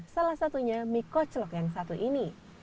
salah satunya mie kocelok yang satu ini